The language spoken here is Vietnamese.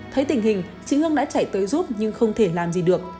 thấy tình hình chị hương đã chạy tới giúp nhưng không thể làm gì được